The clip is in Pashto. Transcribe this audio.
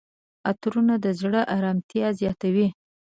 عطرونه د زړه آرامتیا زیاتوي.